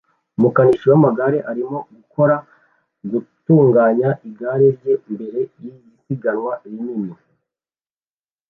Umukanishi w'amagare arimo gukora gutunganya igare rye mbere yisiganwa rinini